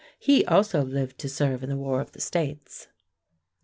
He also lived to serve in the War of the States.